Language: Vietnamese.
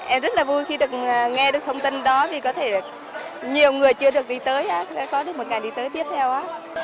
em rất là vui khi nghe được thông tin đó vì có thể nhiều người chưa được đi tới có được một ngày đi tới tiếp theo